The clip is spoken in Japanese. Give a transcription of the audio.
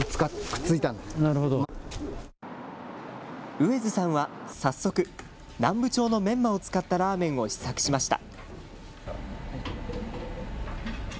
上江洲さんは早速、南部町のメンマを使ったラーメンを試作しました。